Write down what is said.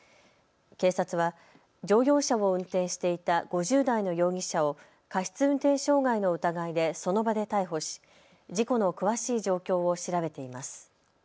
警察は乗用車を運転していた５０代の容疑者を過失運転傷害の疑いでその場で逮捕し事故の詳しい状況を調べています。